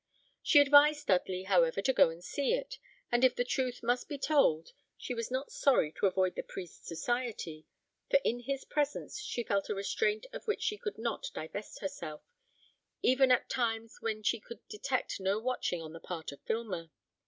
She advised Dudley, however, to go and see it; and if the truth must be told, she was not sorry to avoid the priest's society, for in his presence she felt a restraint of which she could not divest herself, even at times when she could detect no watching on the part of Filmer.